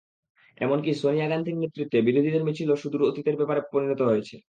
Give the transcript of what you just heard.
এমনকি সোনিয়া গান্ধীর নেতৃত্বে বিরোধীদের মিছিলও সুদূর অতীতের ব্যাপারে পরিণত হয়েছে।